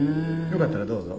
よかったらどうぞ。